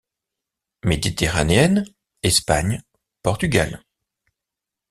Méditerranéenne: Espagne, Portugal.